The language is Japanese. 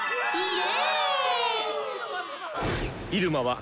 え？